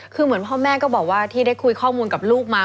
คือเหมือนพ่อแม่ก็บอกว่าที่ได้คุยข้อมูลกับลูกมา